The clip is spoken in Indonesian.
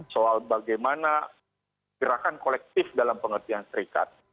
soal bagaimana gerakan kolektif dalam pengertian serikat